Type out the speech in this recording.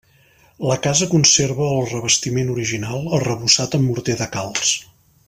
La casa conserva el revestiment original, arrebossat amb morter de calç.